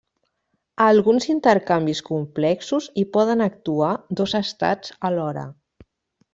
A alguns intercanvis complexos hi poden actuar dos estats alhora.